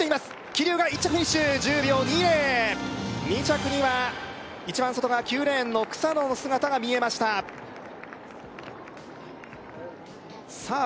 桐生が１着フィニッシュ１０秒２０２着には一番外側９レーンの草野の姿が見えましたさあ